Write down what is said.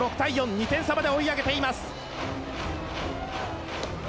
２点差まで追い上げています。